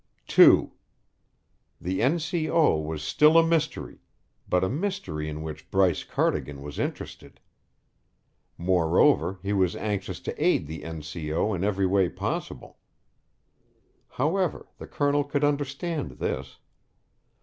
(2) The N. C. O. was still a mystery, but a mystery in which Bryce Cardigan was interested. Moreover, he was anxious to aid the N. C. O. in every way possible. However, the Colonel could understand this.